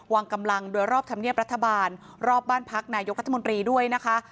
วางกำลังโดยรอบธรรมเนียบรัฐบาลรอบบ้านพักนายกรัฐมนตรีด้วยนะคะ